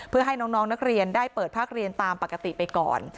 เพื่อให้น้องนักเรียนได้เปิดภาคเรียนตามปกติไปก่อน